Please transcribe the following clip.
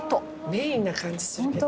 メインな感じするけどね。